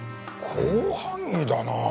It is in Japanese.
広範囲だな。